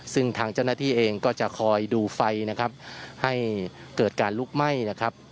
ซึ่งทางเจ้าหน้าที่เองก็จะคอยดูไฟนะครับให้เกิดการลุกไหม้นะครับ